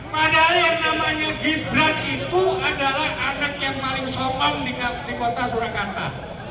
padahal yang namanya gibran itu adalah anak yang paling sopan di kota surakarta